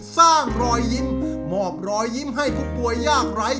สร้างรอยยิ้มมอบรอยยิ้มให้กุกตัวยากไร้